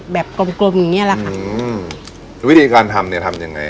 กลมกลมอย่างเงี้แหละค่ะอืมวิธีการทำเนี้ยทำยังไง